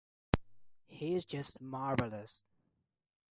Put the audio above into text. He is just marvellous.